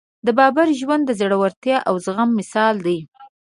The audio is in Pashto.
د بابر ژوند د زړورتیا او زغم مثال دی.